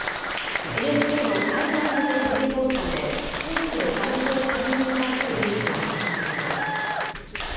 ＮＨＫの海外向けテレビ放送で、秦氏の外相退任に関するニュースが始まると。